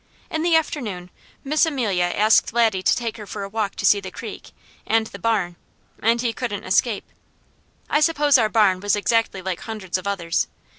In the afternoon Miss Amelia asked Laddie to take her for a walk to see the creek, and the barn, and he couldn't escape. I suppose our barn was exactly like hundreds of others.